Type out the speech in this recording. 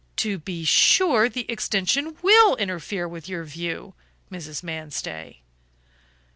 To be sure, the extension WILL interfere with your view, Mrs. Manstey."